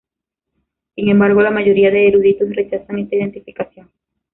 Sin embargo, la mayoría de eruditos rechazan esta identificación.